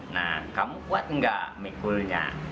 nah kamu kuat nggak mikulnya